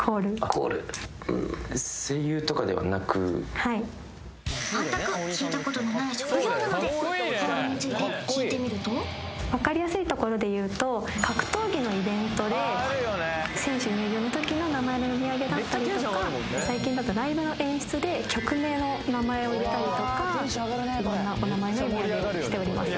コールはいまったく聞いたことのない職業なのでコールについて聞いてみると分かりやすいところでいうと格闘技のイベントで選手入場の時の名前の読み上げだったりとか最近だとライブの演出で曲名の名前を入れたりとか色んなお名前の読み上げをしております